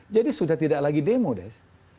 jadi sudah tidak lagi demo des